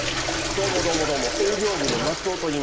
どうもどうもどうも営業部の松尾といいます。